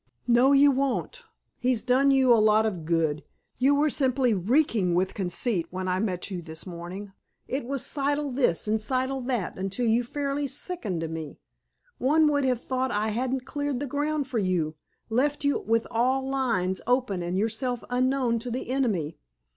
"No, you won't. He's done you a lot of good. You were simply reeking with conceit when I met you this morning. It was 'Siddle this' and 'Siddle that' until you fairly sickened me. One would have thought I hadn't cleared the ground for you, left you with all lines open and yourself unknown to the enemy.